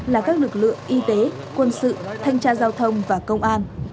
là các lực lượng y tế quân sự thanh tra giao thông và công an